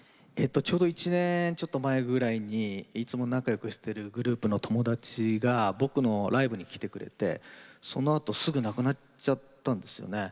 ちょうど１年ちょっと前ぐらいにいつも仲よくしてるグループの友達が僕のライブに来てくれてそのあとすぐ亡くなっちゃったんですよね。